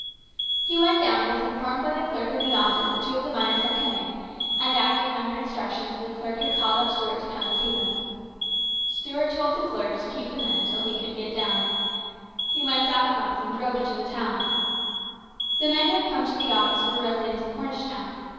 He went down and was informed by the clerk in the office that two of the miners had come in, and acting under instructions the clerk had called up Stuart to come and see them. Stuart told the clerk to keep the men until he could get down. He went out at once and drove into the town. The men who had come to the office were resi dents of Cornish town.